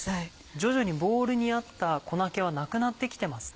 徐々にボウルにあった粉気はなくなってきてますね。